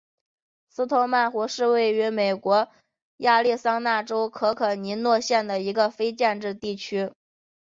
斯通曼湖是位于美国亚利桑那州可可尼诺县的一个非建制地区。